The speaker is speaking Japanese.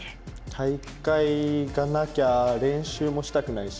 大会がなきゃ練習もしたくないし。